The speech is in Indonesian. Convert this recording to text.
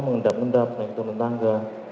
mengendap endap naik turun tangga